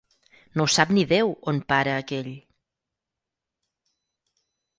No ho sap ni Déu, on para, aquell!